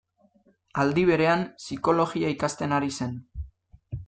Aldi berean, Psikologia ikasten ari zen.